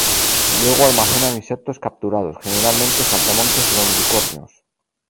Luego almacenan insectos capturados, generalmente saltamontes longicornios.